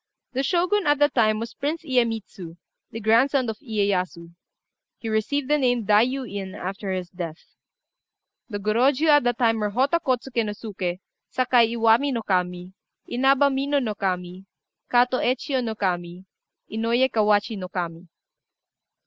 The Shogun at that time was Prince Iyémitsu, the grandson of Iyéyasu. He received the name of Dai yu In after his death. The Gorôjiu at that time were Hotta Kôtsuké no Suké, Sakai Iwami no Kami, Inaba Mino no Kami, Katô Ecchiu no Kami, Inouyé Kawachi no Kami.